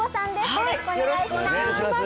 よろしくお願いします